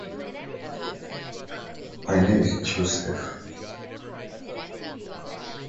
Joey Gatewood also took snaps under center.